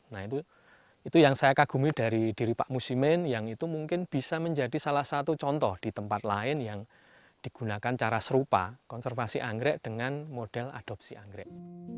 nah itu yang saya kagumi dari diri pak musimin yang itu mungkin bisa menjadi salah satu contoh di tempat lain yang digunakan cara serupa konservasi anggrek dengan model adopsi anggrek